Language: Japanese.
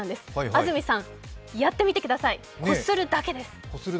安住さん、やってみてください、こするだけです。